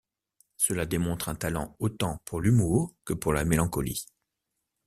Cela démontre un talent autant pour l'humour que la mélancolie.